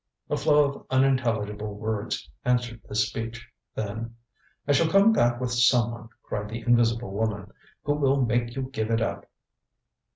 ŌĆØ A flow of unintelligible words answered this speech, then: ŌĆ£I shall come back with someone, ŌĆØ cried the invisible woman, ŌĆ£who will make you give it up!